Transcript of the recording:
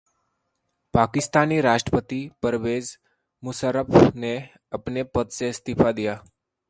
पाकिस्तानी राष्ट्रपति परवेज मुशर्रफ ने अपने पद से इस्तीफा दिया